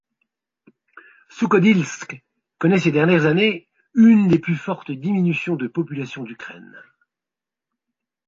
Soukhodilsk connaît ces dernières années une des plus fortes diminutions de population d'Ukraine.